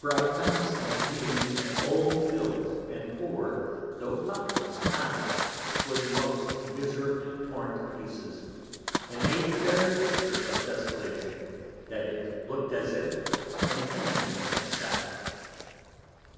Brighthelmston being an old built and poor, tho' populous Town, was most miserably torn to pieces, and made the very Picture of Desolation, that it lookt as if an Enemy had Sackt it.